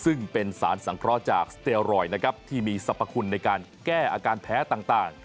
ซึ่งเป็นสารสังเคราะห์จากสเตียรอยด์นะครับที่มีสรรพคุณในการแก้อาการแพ้ต่าง